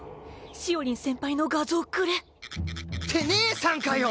しおりん先輩の画像くれ！って姉さんかよ！